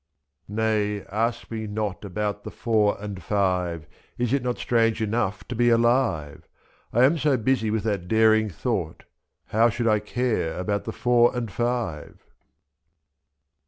84 Nay, ask me not about the FouR and FiVE, Is it not strange enough to be aUve ? 7.i>'j.I am so busy with that daring thought — How should I care about the FouR and FiVE